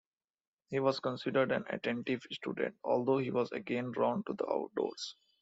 He was considered an attentive student, although he was again drawn to the outdoors.